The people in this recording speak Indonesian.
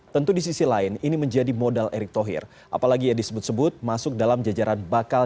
tentu di sisi lain ini menjadi modal erick thohir apalagi yang disebut sebut masuk dalam jajaran bakal